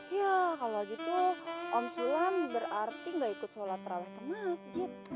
ya kalau gitu om sulam berarti gak ikut sholat terawih ke masjid